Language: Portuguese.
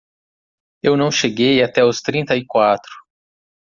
Eu não cheguei até os trinta e quatro.